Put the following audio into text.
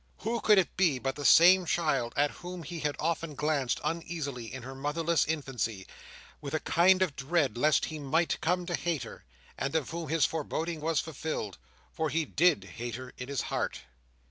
Who could it be, but the same child at whom he had often glanced uneasily in her motherless infancy, with a kind of dread, lest he might come to hate her; and of whom his foreboding was fulfilled, for he DID hate her in his heart?